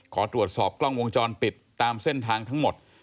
ขอตรวจสอบกล้องวงจรปิดตามเส้นทางทั้งหมด